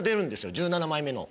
１７枚目の。